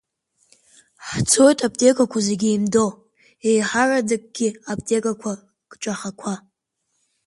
Ҳцоит аԥҭекақәа зегьы еимдо, еиҳараӡакгьы аԥҭека кҿахақәа.